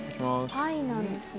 パイなんですね。